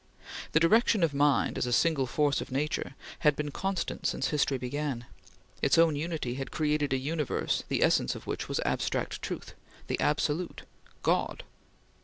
The direction of mind, as a single force of nature, had been constant since history began. Its own unity had created a universe the essence of which was abstract Truth; the Absolute; God!